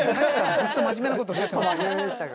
ずっと真面目なことおっしゃってますよ。